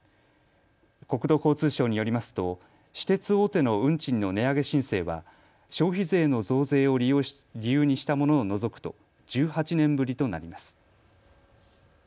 国土交通省によりますと私鉄大手の運賃の値上げ申請は消費税の増税を理由にしたものを除くと１８年ぶりとなります。